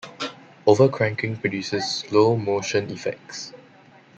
"Overcranking" produces slow motion effects.